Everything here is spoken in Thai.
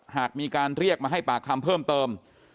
หากมีการเรียกมาให้ปากคำเพิ่มเติม